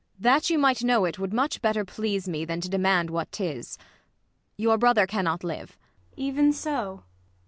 Ang. That you might know it would much better please me. Than to demand what 'tis : your brother cannot live. ISAB. Even so